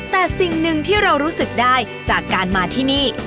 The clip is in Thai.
แต่สิ่งหนึ่งที่เรารู้สึกได้จากการมาที่นี่